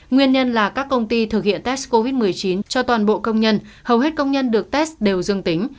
nguyên nhân là các công ty thực hiện test covid một mươi chín cho toàn bộ công nhân hầu hết công nhân được test đều dương tính